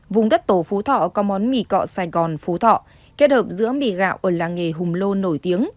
vùng đất tổ phú thọ có món mì cọ sài gòn phú thọ kết hợp giữa mì gạo ở làng nghề hùng lô nổi tiếng